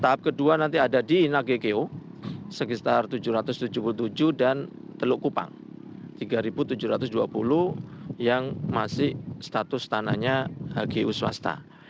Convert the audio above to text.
tahap kedua nanti ada di nagekeo sekitar tujuh ratus tujuh puluh tujuh dan teluk kupang tiga tujuh ratus dua puluh yang masih status tanahnya hgu swasta